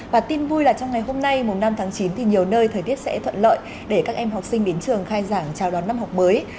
và tin vui là trong ngày hôm nay mùng năm tháng chín thì nhiều nơi thời tiết sẽ thuận lợi để các em học sinh đến trường khai giảng chào đón năm học mới